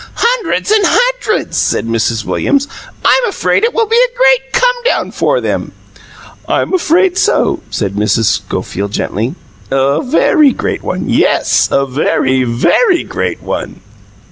"Hundreds and hundreds!" said Mrs. Williams. "I'm afraid it will be a great come down for them." "I'm afraid so," said Mrs. Schofield gently. "A very great one yes, a very, very great one."